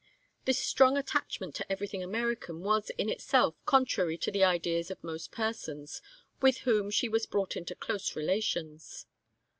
This strong attachment to everything American was in itself contrary to the ideas of most persons with whom she was brought into close relations.